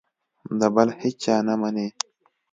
د بل هېچا نه مني.